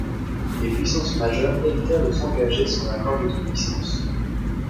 Les puissances majeures évitèrent de s'engager sans l'accord d'autres puissances.